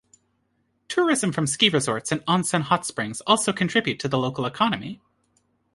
Tourism from ski resorts and onsen hot springs also contribute to the local economy.